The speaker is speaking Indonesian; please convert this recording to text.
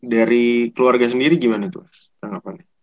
dari keluarga sendiri gimana tuh mas tanggapannya